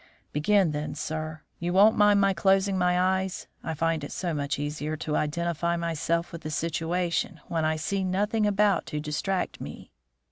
"Begin, then, sir. You won't mind my closing my eyes? I find it so much easier to identify myself with the situation when I see nothing about to distract me.